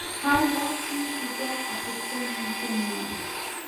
حالت داسې و چې زیات اخیستل ممکن نه وو.